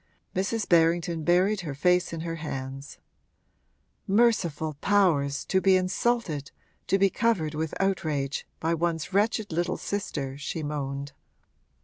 Mrs. Berrington buried her face in her hands. 'Merciful powers, to be insulted, to be covered with outrage, by one's wretched little sister!' she moaned.